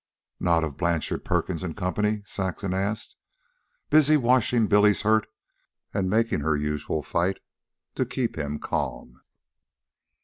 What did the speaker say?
"Not of Blanchard, Perkins and Company?" Saxon asked, busy washing Billy's hurt and making her usual fight to keep him calm.